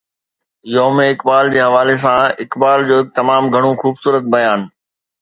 يوم اقبال جي حوالي سان اقبال جو هڪ تمام خوبصورت بيان.